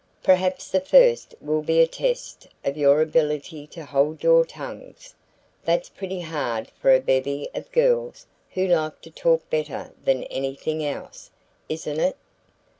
Perhaps the first will be a test of your ability to hold your tongues. That's pretty hard for a bevy of girls who like to talk better than anything else, isn't it?"